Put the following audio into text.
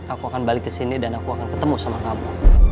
aku akan balik ke sini dan aku akan ketemu sama kamu